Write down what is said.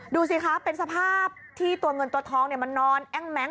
ดูสิคะเป็นสภาพที่ตัวเงินตัวทองมันนอนแอ้งแม้ง